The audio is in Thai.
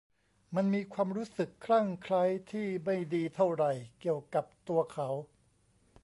มันมีความรู้สึกคลั่งไคล้ที่ไม่ดีเท่าไหร่เกี่ยวกับตัวเขา